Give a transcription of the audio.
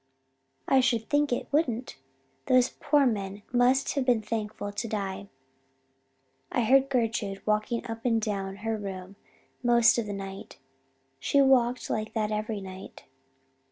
"I should think it wouldn't! Those poor men must have been thankful to die. "I heard Gertrude walking up and down her room most of the night. She walked like that every night.